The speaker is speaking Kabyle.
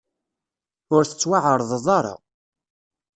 Ur tettwaεerḍeḍ ara.